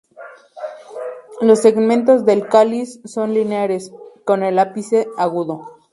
Los segmentos del cáliz son lineares, con el ápice agudo.